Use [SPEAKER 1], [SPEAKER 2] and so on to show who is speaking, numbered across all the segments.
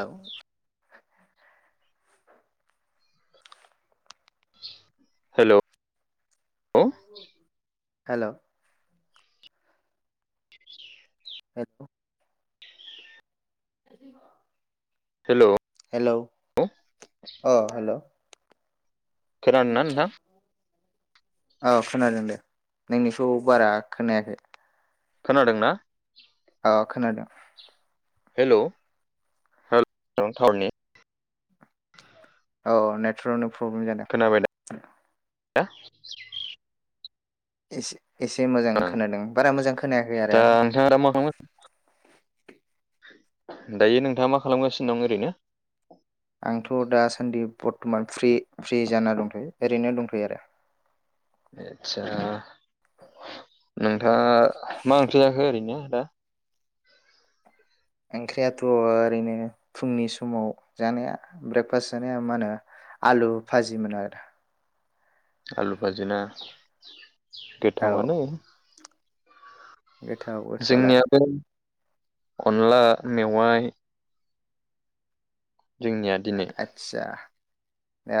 [SPEAKER 1] औ
[SPEAKER 2] हेलौ ह
[SPEAKER 1] हेलौ हेल' [unintelligible]
[SPEAKER 2] hello
[SPEAKER 1] hello अ हेल'
[SPEAKER 2] खोनादोंना नोंथां?
[SPEAKER 1] औ खोनादों दे नोंनिखौ बारा खोनायाखै
[SPEAKER 2] खोनादों ना
[SPEAKER 1] औ खोनादों
[SPEAKER 2] हेलौ [unintelligible]
[SPEAKER 1] औ नेटवर्क नि प्रब्लेम जादों
[SPEAKER 2] हो
[SPEAKER 1] एसे एसे मोजां खोनादों बारा मोजां खोनायाखै आरो
[SPEAKER 2] दा नोंथाङा दा मा खालामगोन दायो नोंथाङा मा खालामगासिनो दं ओरैनो?
[SPEAKER 1] आंथ' दासान्दि बर्थ'मान फ्रि फ्रि जाना दंथ'यो ओरैनो दंथ'यो आरो
[SPEAKER 2] आदसा नोंथाङा मा ओंख्रि जाखो ओरैनो दा?
[SPEAKER 1] ओंख्रियाथ' ओरैनो फुंनि समाव जानाया ब्रेकफास्ट जानाया मा होनो आलु भाजिमोन आरो
[SPEAKER 2] आलु भाजि ना
[SPEAKER 1] औ
[SPEAKER 2] गोथावआनो
[SPEAKER 1] गोथाव गोथावालाय
[SPEAKER 2] जोंनियाबो अनला मेवाइ जोंनिया दिनै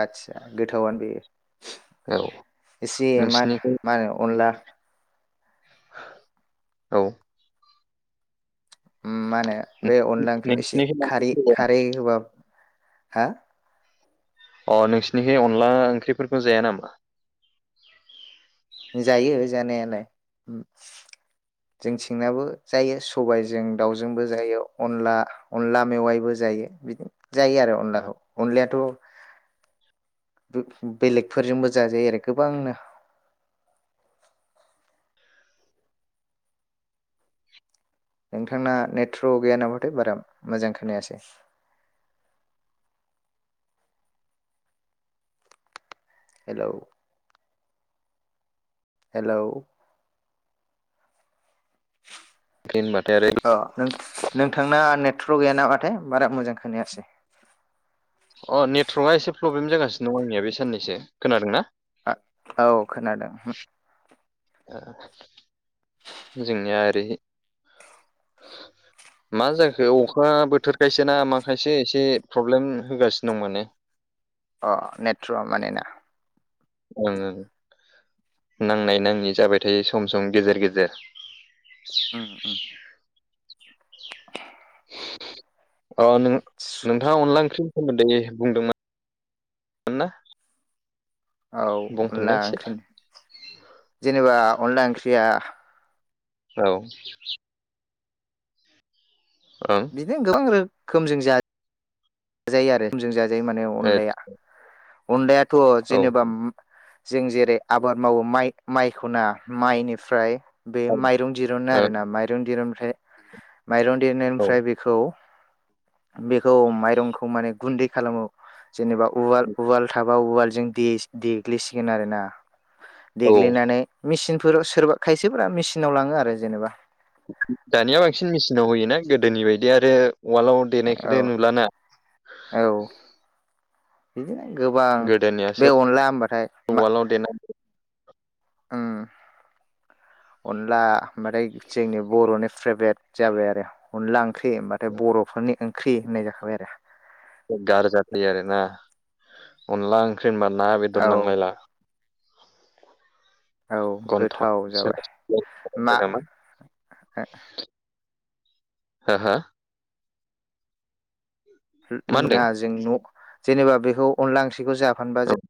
[SPEAKER 1] आतसा गोथावानो दे
[SPEAKER 2] औ
[SPEAKER 1] एसे मा
[SPEAKER 2] नोंसिनिखौ
[SPEAKER 1] मा होनो अनला
[SPEAKER 2] औ
[SPEAKER 1] ओम मा होनो बे अनला ओंख्रियाव एसे
[SPEAKER 2] नोंसिनिखै
[SPEAKER 1] खारै खारै होबा हा
[SPEAKER 2] अ नोंसिनिखै अनला ओंख्रिफोरखौ जाया नामा?
[SPEAKER 1] जायो जानायालाय जोंथिंनाबो जायो सबाइजों दाउजोंबो जायो अनला अनला मेवाइबो जायो बिदिनो जायो आरो अनलाखौ अनलायाथ' बे-बेलेगफोरजोंबो जाजायो आरो गोबांनो नोंथांना नेट्र'क गैयानामाथाय बारा मोजां खोनायासै हेलौ हेलौ
[SPEAKER 2] ओंख्रि होनबाथाय आरो
[SPEAKER 1] अ नों नोंथांना नेट्र'क गैया नामाथाय बारा मोजां खोनायासै
[SPEAKER 2] अ नेटवारर्कआ एसे प्रब्लेम जागासिनो दं आंनिया बे साननैसो खोनादों ना?
[SPEAKER 1] औ खोनादों।
[SPEAKER 2] ओ जोंनिया ओरै मा जाखो अखा बोथोर खायसे ना मा खायसे एसे प्रब्लेम होगासिनो दं माने।
[SPEAKER 1] अ नेट्रवा माने ना?
[SPEAKER 2] ओं नांनाय नाङै जाबाय थायो सम सम गेजेर गेजेर।
[SPEAKER 1] उम उम
[SPEAKER 2] अ नों नोंथाङा अनला ओंख्रि सोमोन्दै बुंदोंमोन ना?
[SPEAKER 1] औ अनला
[SPEAKER 2] बुंफिननाय एसे
[SPEAKER 1] ओंख्रि जेनेबा अनला ओंख्रिया
[SPEAKER 2] औ ओं
[SPEAKER 1] बिनो गोबां रो खोमजों जाय जाजायो आरो खोमजो बे माने अनलाया अनलाया थ
[SPEAKER 2] ओ
[SPEAKER 1] जेनेबा जों जेरै आबाद मावो माइ माइखौना माइनिफ्राय बे
[SPEAKER 2] औ
[SPEAKER 1] माइरं दिरुनो आरो ना
[SPEAKER 2] ओ
[SPEAKER 1] माइरं दिरुन फे माइरं
[SPEAKER 2] औ
[SPEAKER 1] देरनायनिफ्राय बेखौ बेखौ माइरंखौ खौ माने गुन्दै खालामो। जेनेबा उवाल उवाल थाब बा उवालजों देस - देग्लिसिगोन आरो ना।
[SPEAKER 2] औ
[SPEAKER 1] देग्लिनानै मेचिन फोराव सोरबा खायसेफोरा मेसिनाव लाङो आरो जेनेबा।
[SPEAKER 2] दानिया बांसिन मेचनाव होयो ना गोदोनि बायदि आरो वालाव देनायखो दे नुला ना?
[SPEAKER 1] ग [unintelligible] गोबां बे अनला होमबाथाय मा
[SPEAKER 2] उवालाव देना
[SPEAKER 1] ओम अनला ओमबाथाय जोंनि बर'नि फ्रेभरेट जाबाय आरो अनला ओं ओंख्रि होमबाथाय बर'फोरनि ख्रि होननाय जाखाबाय आरो।
[SPEAKER 2] गारजाथै आरोना अनला ओंख्रि जेनबा ना बेदर
[SPEAKER 1] आरो
[SPEAKER 2] नांलायला।
[SPEAKER 1] औ
[SPEAKER 2] गन्थं
[SPEAKER 1] गोथाव
[SPEAKER 2] सोला
[SPEAKER 1] जाबाय
[SPEAKER 2] सोलि होनो
[SPEAKER 1] मा
[SPEAKER 2] नामा हो हो? मा होनदों
[SPEAKER 1] नुनाजों न जेनेबा बेखौ अनला ओंख्रिखौ जा फानबा जे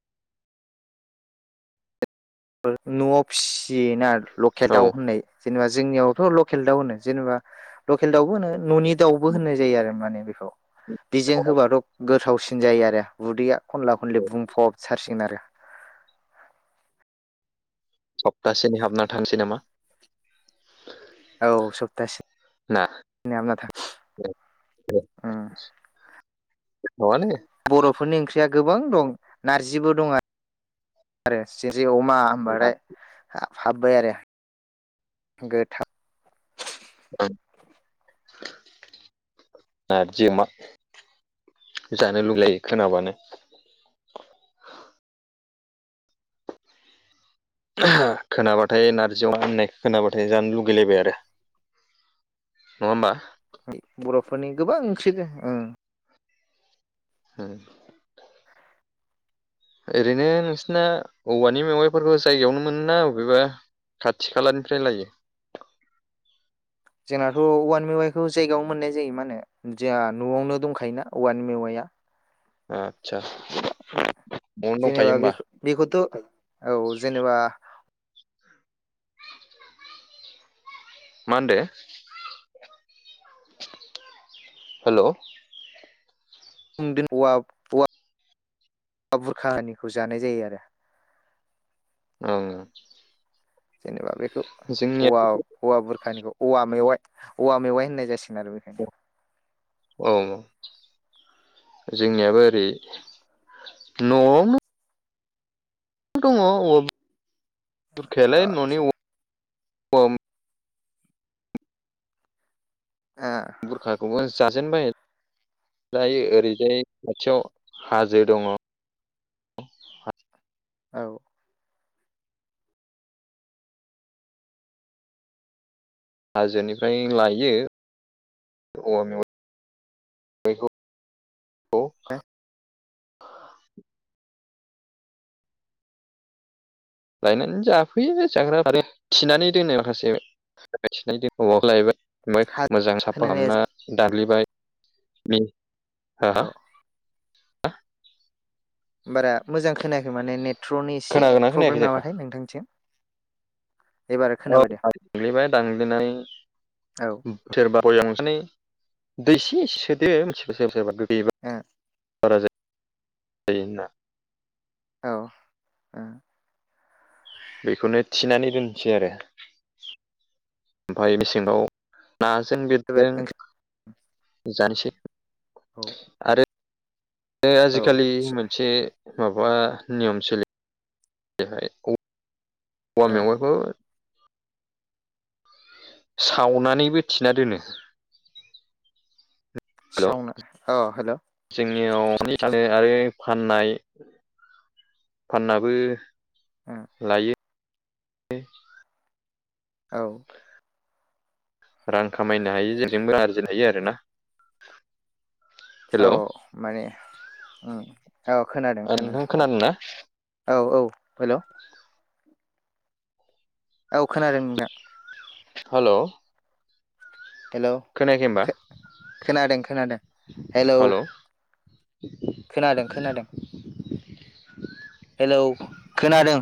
[SPEAKER 1] न'आव फिसियोना लकेल दाउ होननाय जेनेबा जोंनियावथ' लकेल दाउ होनो जेनेबा लकेल दाउबो होनो न'नि दाउबो होननाय जायो आरो माने बे बिजों
[SPEAKER 2] औ
[SPEAKER 1] होबाथ' गोथावसिन जायो आरो उदैया खनला खनलि
[SPEAKER 2] औ
[SPEAKER 1] बुंफब थारसिनो गोन आरो
[SPEAKER 2] सप्तासेनि हाबना थानोसैनामा
[SPEAKER 1] औ सप्तासे
[SPEAKER 2] ना
[SPEAKER 1] [unintelligible] उम
[SPEAKER 2] नङालै
[SPEAKER 1] बर'फोरनि ओंख्रिया गोबां दं नारजिबो दं आरो जे अमा होनबाथाय हाबबाय आरो गोथाव
[SPEAKER 2] नारजि अमा जानो लुगैलायो खोनाबानो खोनाबाथाय नारजि अमा होननाय खोनाबाथाय जानो लुगैलायबाय आरो नङा होमबा
[SPEAKER 1] बर'फोरनि गोबां ओंख्रिजों ओं
[SPEAKER 2] होम ओरैनो नोंसिना औवानि मेवाइफोरखौ जायगायावनो मोनो ना बबेबा खाथि खालानिफ्राय लायो
[SPEAKER 1] जोंनाथ' औवानि मेवाइखौ जायगायावनो मोननाय जायो मा होनो जोंहा न'आवनो दंखायोना औवानि मेवायआ
[SPEAKER 2] [inaudible]
[SPEAKER 1] गोबां
[SPEAKER 2] न'आवनो दंखायो
[SPEAKER 1] जेनेबा
[SPEAKER 2] होमबा
[SPEAKER 1] बे बेखौथ' औ जेनेबा
[SPEAKER 2] माहोनदो हेलौ
[SPEAKER 1] [unintelligible] औवा बुरखा निखौ जानाय जायो आरो
[SPEAKER 2] ओं
[SPEAKER 1] जेनेबा बे
[SPEAKER 2] जोंनिया
[SPEAKER 1] बुरखानिखौ औवा मेवाइ औवा मेवाइ होननाय जासिगोन आरो बेखायनो
[SPEAKER 2] औ औ जोंनियाबो ओरै न'आवनो दङ औवा बुरखायालाय ननि
[SPEAKER 1] आदसा
[SPEAKER 2] औवा [unintelligible]
[SPEAKER 1] ओं
[SPEAKER 2] बुरखाखौबो जाजेनबाय दायो ओरैजाय खाथियाव हाजो दङ
[SPEAKER 1] औ
[SPEAKER 2] हाजोनिफ्राय लायो औवा मेवाइखौ लायनानै जाफैयो जाग्रा आरो थिनानै दोनो माखासे औवाखौ लायबाय
[SPEAKER 1] हा
[SPEAKER 2] ओमफ्राय मोजां साफा
[SPEAKER 1] खोनानाया
[SPEAKER 2] खालामना दाग्लिबाय बे हा
[SPEAKER 1] औ बारा मोजां खोनाखै माने नेटवर्कनि एसे
[SPEAKER 2] खोनागोना खोनायाखै
[SPEAKER 1] प्रब्लेम
[SPEAKER 2] जाखो
[SPEAKER 1] नामाथाय नोंथांनिथिं
[SPEAKER 2] औ दानग्लिबाय दानग्लिनानै
[SPEAKER 1] औ
[SPEAKER 2] सोरबा भयामाव सोनानै दै एसे एसे सोदो [unintelligible]
[SPEAKER 1] ओ
[SPEAKER 2] बारा जायो होनना
[SPEAKER 1] औ ओ
[SPEAKER 2] बेखौनो थिनानै दोनसै आरो ओमफ्राय मेसेंयाव नाजों
[SPEAKER 1] जोबोद
[SPEAKER 2] बिरदों जानिसै
[SPEAKER 1] औ
[SPEAKER 2] आरो आरो
[SPEAKER 1] औ
[SPEAKER 2] आजिखालि मोनसे माबा नियम सोलि [unintelligible] औवा
[SPEAKER 1] औ
[SPEAKER 2] मेवाइखौ सावनानैबो थिना दोनो हेल
[SPEAKER 1] सावना औ हेल'
[SPEAKER 2] जोंनियाव [unintelligible] आरो फाननाय फाननाबो लायो [unintelligible]
[SPEAKER 1] औ
[SPEAKER 2] रां खामायनो हायो जेजोंबो आरजिनो हायो आरो ना
[SPEAKER 1] औ माने औ
[SPEAKER 2] नोंथां खोनादों ना
[SPEAKER 1] औ औ हेलौ औ खोनादों नोंथां
[SPEAKER 2] हेलौ
[SPEAKER 1] हेलौ खो खोनादों खोनादों हेलौ
[SPEAKER 2] हेल'
[SPEAKER 1] खोनादों खोनादों हेलौ खोनादों।